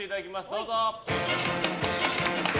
どうぞ。